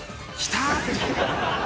きた！